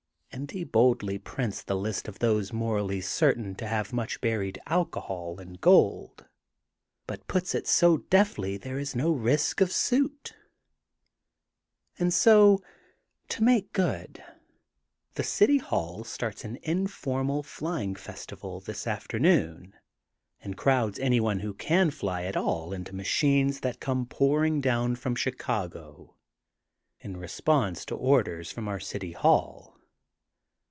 And he boldly prints the list of those morally certain to have mnch buried alcohol and gold but puts it so deftly there is no risk of suit. And so, to make good, the City Hall starts an informal flying festival this afternoon and crowds anyone who can fly at all into machines that come pouring down from Chicago in. response to orders from our City Hall.